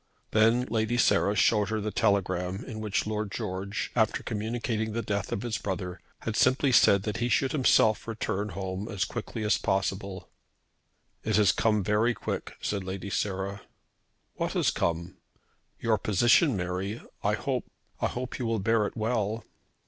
Then Lady Sarah showed her the telegram in which Lord George, after communicating the death of his brother, had simply said that he should himself return home as quickly as possible. "It has come very quick," said Lady Sarah. "What has come!" "Your position, Mary. I hope, I hope you will bear it well."